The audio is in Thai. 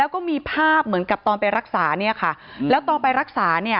แล้วก็มีภาพเหมือนกับตอนไปรักษาแล้วตอนไปรักษา